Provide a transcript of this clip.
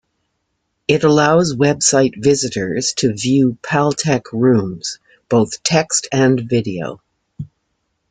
It allows website visitors to view Paltalk rooms, both text and video.